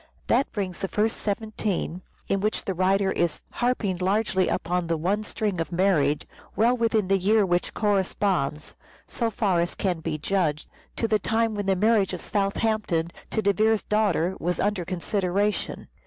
That brings the first 17, in which the writer is harping largely upon the one string of marriage, well within the year which corresponds, so far as can be judged, to the time when the marriage of Southampton to De Vere's daughter was under consideration.